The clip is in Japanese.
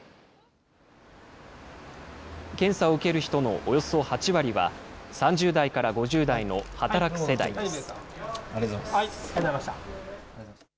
検査を受ける人のおよそ８割は、３０代から５０代の働く世代です。